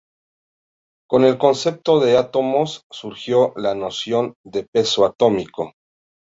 Con el concepto de átomos surgió la noción de peso atómico.